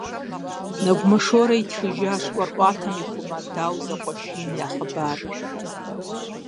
Нэгумэ Шорэ итхыжащ ӏуэрыӏуатэм ихъума Дау зэкъуэшийм я хъыбарыр.